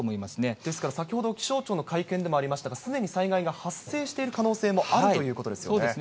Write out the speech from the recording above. ですから先ほど、気象庁の会見でもありましたが、すでに災害が発生している可能性もあるということですよね。